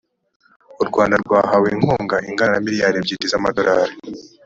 u rwanda rwahawe inkunga ingana na miliyari ebyiri za madorari